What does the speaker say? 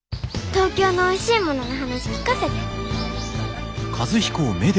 東京のおいしいものの話聞かせて。